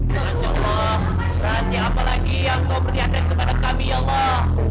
berarti apa lagi yang kau pernihatkan kepada kami allah